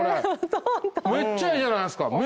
めっちゃいいじゃないですか。